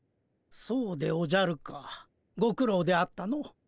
そうでおじゃるかご苦ろうであったの。